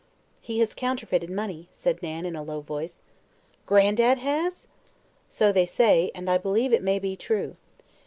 "He has counterfeited money," said Nan in a low voice. "Gran'dad has?" "So they say, and I believe it may be true.